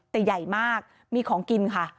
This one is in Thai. แต่ใหญ่มากมีของกินค่ะ